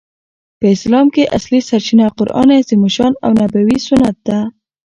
په اسلام کښي اصلي سرچینه قران عظیم الشان او نبوي سنت ده.